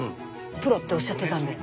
プロっておっしゃってたんで。